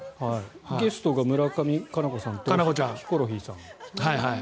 ゲストが村上佳菜子さんとヒコロヒーさん。